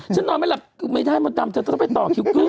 นอนไม่หลับไม่ได้มดดำเธอจะต้องไปต่อคิวขึ้น